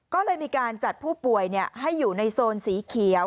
ก็เลยมีการจัดผู้ป่วยให้อยู่ในโซนสีเขียว